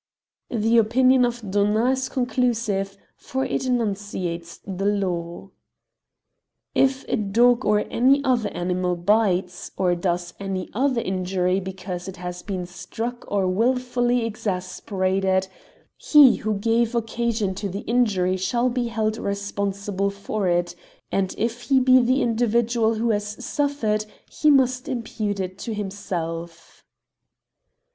" The opinion of Donat (^Loix Civiles, tom. i. lib. 2, tit. 8) is conclusive, for it enunciates the law (xi. tit. 2, lib. 9) Si quadrupes paup. fee, ff. "* If a dog or any other animal bites, or does any other injury because it has been struck or wilfully exasperated, he who gave occasion to the injury shall be held responsible for it, and if he be the in dividual who has suffered he must impute it to himself.'